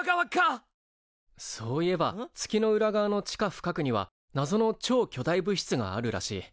そういえば月の裏側の地下深くにはなぞの超巨大物質があるらしい。